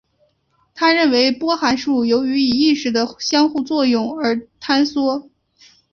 他认为波函数由于与意识的相互作用而坍缩。